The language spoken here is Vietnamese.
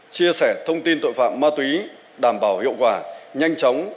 chia sẻ thông tin tội phạm ma túy đảm bảo hiệu quả nhanh chóng